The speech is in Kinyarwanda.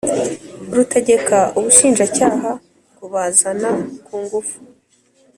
rutegeka Ubushinjacyaha kubazana ku ngufu